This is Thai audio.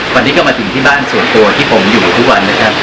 วันนี้ก็มาถึงที่บ้านส่วนตัวที่ผมอยู่ทุกวันนะครับ